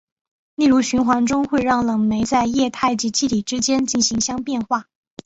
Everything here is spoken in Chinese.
例如循环中会让冷媒在液态及气体之间进行相变化。